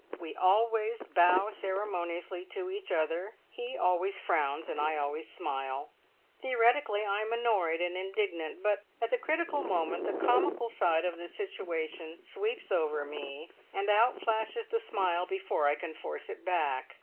We always bow ceremoniously to each other; he always frowns, and I always smile. Theoretically I am annoyed and indignant; but at the critical moment the comical side of the situation sweeps over me, and out flashes the smile before I can force it back.